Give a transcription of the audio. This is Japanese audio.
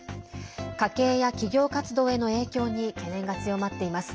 家計や企業活動への影響に懸念が強まっています。